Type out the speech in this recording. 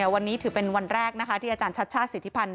วันนี้ถือเป็นวันแรกนะคะที่อาจารย์ชัชช่าศรีธิพันธ์